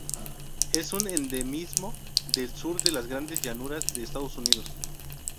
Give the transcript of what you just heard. Es un endemismo del sur de las Grandes Llanuras del Estados Unidos.